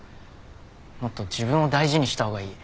もっと自分を大事にした方がいい。